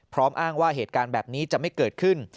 อ้างว่าเหตุการณ์แบบนี้จะไม่เกิดขึ้น